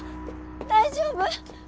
大丈夫？